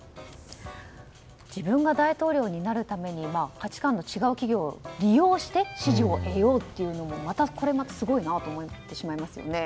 自分が大統領になるために価値観の違う企業を利用して支持を得ようという、これまたすごいなと思ってしまいますね。